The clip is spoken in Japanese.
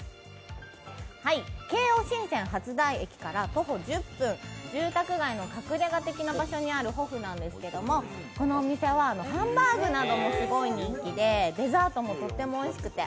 京王新線初台駅から徒歩１０分住宅街の隠れ家的な場所にあるＨＯＦＦなんですがこのお店はハンバーグなどもすごい人気でデザートもとってもおいしくて。